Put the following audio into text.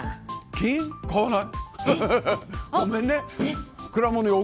金、買わない。